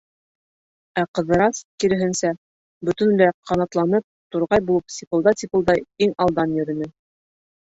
Ә Ҡыҙырас, киреһенсә, бөтөнләй ҡанатланып, турғай булып сипылдай-сипылдай иң алдан йөрөнө.